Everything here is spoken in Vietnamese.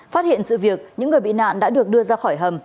phát hiện sự việc những người bị nạn đã được đưa ra khỏi hầm